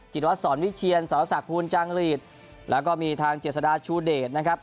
วัดสอนวิเชียนสรษักภูลจางหลีดแล้วก็มีทางเจษฎาชูเดชนะครับ